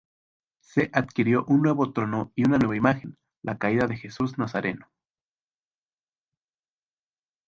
Se adquirió un nuevo trono y una nueva imagen, la Caída de Jesús Nazareno.